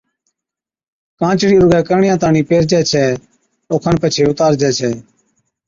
ڪانچڙِي رُگَي ڪرڻِيا تاڻِين پيھرجَي ڇَي اوکن پڇي اُتارجَي ڇَي